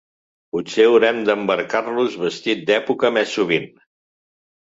Potser haurem d'embarcar-lo vestit d'època més sovint.